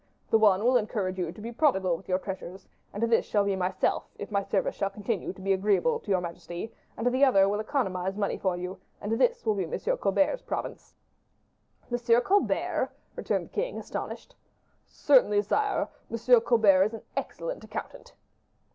The one will encourage you to be prodigal with your treasures and this shall be myself, if my services should continue to be agreeable to your majesty; and the other will economize money for you, and this will be M. Colbert's province." "M. Colbert?" returned the king, astonished. "Certainly, sire; M. Colbert is an excellent accountant."